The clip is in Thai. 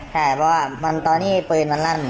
ใช่เพราะว่าตอนนี้ปืนมันลั่น